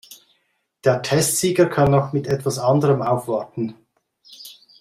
Der Testsieger kann noch mit etwas anderem aufwarten.